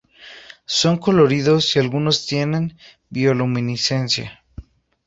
Son coloridos y algunos tienen bioluminiscencia.